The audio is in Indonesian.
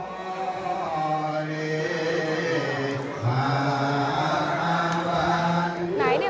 sampai dikumpulkan oleh perusahaan ashro kalimantan